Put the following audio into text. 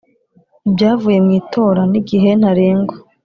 Ibyavuye mu itora n igihe ntarengwa